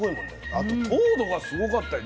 あと糖度がすごかったよ。